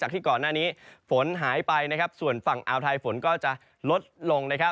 ที่ก่อนหน้านี้ฝนหายไปส่วนฝั่งอาวไทยฝนก็จะลดลง